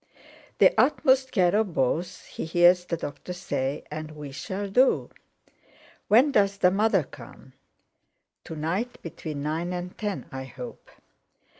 "The utmost care of both," he hears the doctor say, "and we shall do. When does the mother come?" "To night, between nine and ten, I hope."